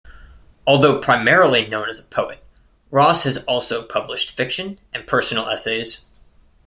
Although primarily known as a poet, Ross has also published fiction and personal essays.